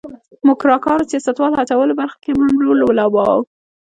موکراکانو سیاستوالو هڅولو برخه کې مهم رول ولوباوه.